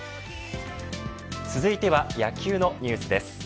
続いては野球のニュースです。